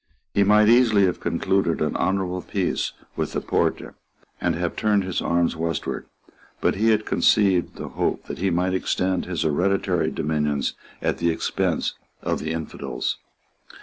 He might easily have concluded an honourable peace with the Porte, and have turned his arms westward. But he had conceived the hope that he might extend his hereditary dominions at the expense of the Infidels.